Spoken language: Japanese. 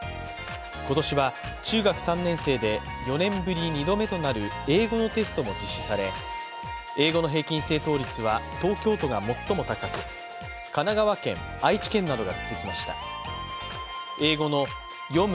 今年は、中学３年生で４年ぶり２度目となる英語のテストも実施され、英語の平均正答率は東京都が最も高く、神奈川県、愛知県などが続きました英語の読む